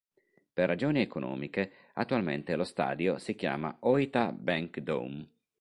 Per ragioni economiche attualmente lo stadio si chiama Ōita Bank Dome.